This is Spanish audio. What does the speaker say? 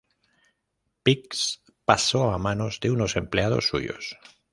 Pix pasó a manos de unos empleados suyos.